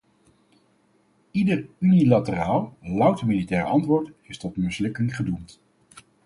Ieder unilateraal, louter militair antwoord is tot mislukking gedoemd.